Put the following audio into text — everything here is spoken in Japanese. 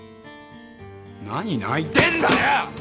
なに泣いてんだよ！！